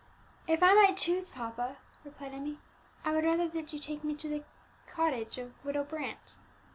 "If I might choose, papa," replied Emmie, "I would rather that you would take me to the cottage of Widow Brant."